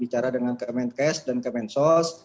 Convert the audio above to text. bicara dengan kemenkes dan kemensos